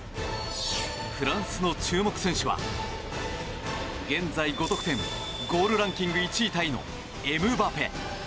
フランスの注目選手は現在５得点ゴールランキング１位タイのエムバペ。